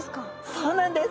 そうなんです！